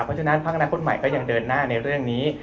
เพราะฉะนั้นพักอนาคตใหม่ก็ยังเดินหน้าในเรื่องนี้